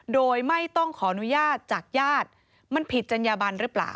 โดยไม่ต้องขออนุญาตจากญาติมันผิดจัญญาบันหรือเปล่า